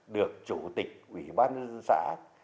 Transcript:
được chủ tịch ủy ban dân xã